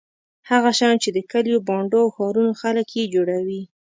هغه شیان چې د کلیو بانډو او ښارونو خلک یې جوړوي.